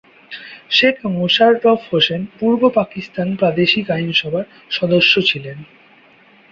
শেখ মোশাররফ হোসেন পূর্ব পাকিস্তান প্রাদেশিক আইনসভার সদস্য ছিলেন।